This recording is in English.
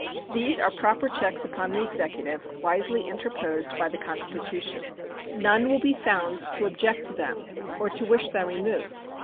These are proper checks upon the Executive, wisely interposed by the Constitution. None will be found to object to them or to wish them removed.